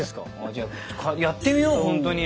じゃあやってみよう本当に。